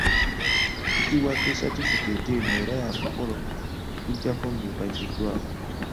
Tukiwadde satifekeeti eno era yakukola okujjako nga ebaggyiddwako.